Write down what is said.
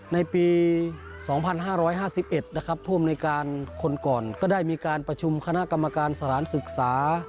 ในปี๒๕๕๑พมคก็ได้มีการประชุมคณะกรรมการสลานศึกษา